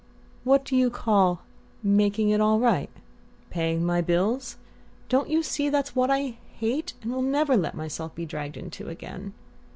"What do you call 'making it all right'? Paying my bills? Don't you see that's what I hate, and will never let myself be dragged into again?"